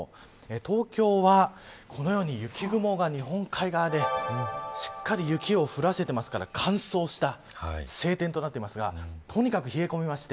東京はこのように雪雲が日本海側でしっかり雪を降らせてますから乾燥した晴天となっていますがとにかく冷え込みまして